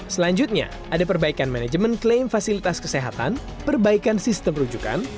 selanjutnya ada perbaikan manajemen klaim fasilitas kesehatan perbaikan sistem rujukan